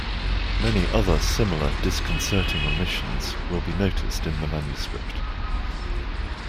Many other similar disconcerting omissions will be noticed in the Manuscript.